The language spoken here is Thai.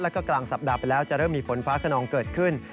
แล้วก็กลางสัปดาห์ไปแล้วจะเริ่มมีฝนฟ้าขนองเกิดขึ้น